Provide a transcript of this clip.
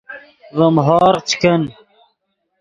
ڤیم ہورغف چے کن